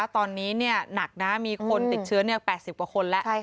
ตอนนี้หนักนะมีคนติดเชื้อ๘๐กว่าคนแล้ว